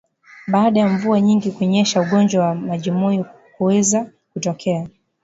Baada ya mvua nyingi kunyesha ugonjwa wa majimoyo huweza kutokea